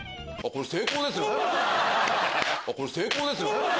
これ成功ですよ。